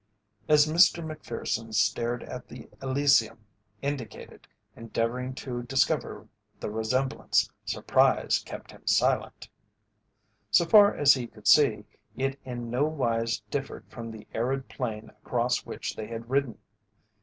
As Mr. Macpherson stared at the Elysium indicated, endeavouring to discover the resemblance, surprise kept him silent. So far as he could see, it in nowise differed from the arid plain across which they had ridden.